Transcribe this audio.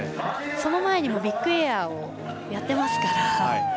その前にもビッグエアをやっていますから。